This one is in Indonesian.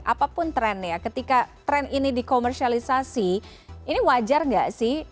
apapun trennya ketika tren ini dikomersialisasi ini wajar nggak sih